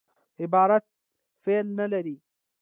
عبارت فعل نه لري.